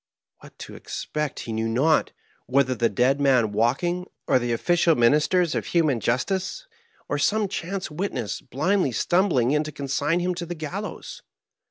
What to expect he knew not, whether the dead man walking, or the official ministers of human justice, or some chance witness blindly stumbling in to consign him to the gallows.